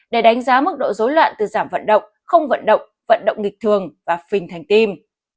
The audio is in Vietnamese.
để đánh giá mức độ dối loạn từ giảm vận động không vận động vận động nghịch thường và phình thành tim